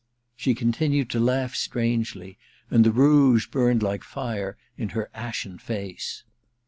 * She continued to laugh strangely, and the rouge burned like fire in her ashen face.